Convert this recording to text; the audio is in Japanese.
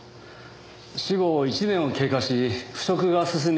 死後１年を経過し腐食が進んでいました。